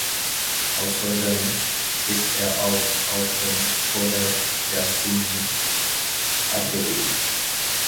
Außerdem ist er auch auf dem Cover der Single abgebildet.